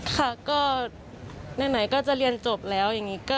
ค่ะนั่นหน่อยจะเรียนจบแล้ว